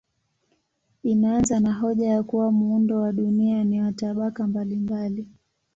Inaanza na hoja ya kuwa muundo wa dunia ni wa tabaka mbalimbali.